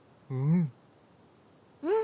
うん。